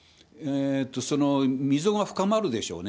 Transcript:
その溝が深まるでしょうね。